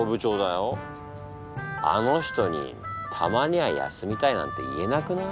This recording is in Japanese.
あの人に「たまには休みたい」なんて言えなくない？